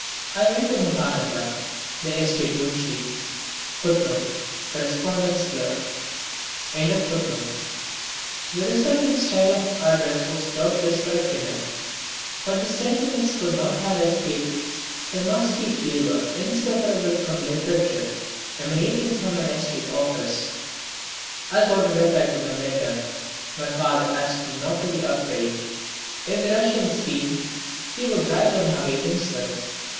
I went to Mahananda, the estate munshi. The resulting style of address was doubtless correct enough, but the sentiments could not have escaped the musty flavour inseparable from literature emanating from an estate office. I got a reply to my letter. My father asked me not to be afraid; if the Russians came he would drive them away himself.